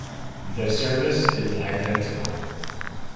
The service is identical.